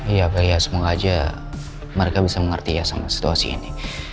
iya kali ya semoga aja mereka bisa mengerti ya sama situasi ini